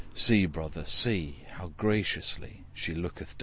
See, brother, see! how graciously She looketh down on him.'